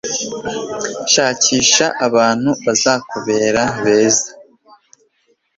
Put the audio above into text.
Shakisha abantu bazakubera beza.”